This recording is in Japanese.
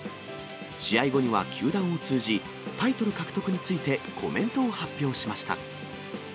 試合後には球団を通じ、タイトル獲得についてコメントを発表しました。